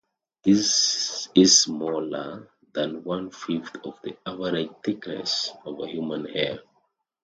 This is smaller than one fifth of the average thickness of a human hair.